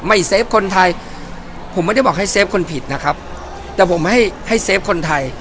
เซฟคนไทยผมไม่ได้บอกให้เซฟคนผิดนะครับแต่ผมให้ให้เซฟคนไทย